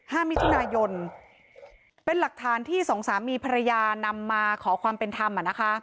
มิถุนายนเป็นหลักฐานที่สองสามีภรรยานำมาขอความเป็นธรรมอ่ะนะคะ